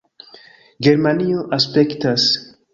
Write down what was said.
Germanio aspektas